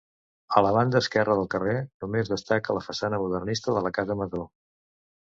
A la banda esquerra del carrer només destaca la façana modernista de la Casa Masó.